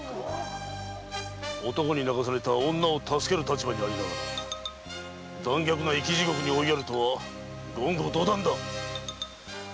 男に泣かされた女を助ける立場にありながら残虐な生き地獄に追いやるとは言語道断だっ！